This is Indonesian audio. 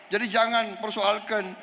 jadi jangan persoalkan